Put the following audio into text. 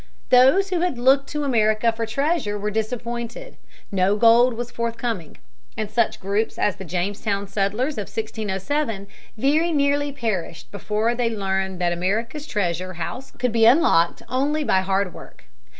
Those who had looked to America for treasure were disappointed: no gold was forthcoming, and such groups as the Jamestown settlers of 1607 very nearly perished before they learned that America's treasure house could be unlocked only by hard work.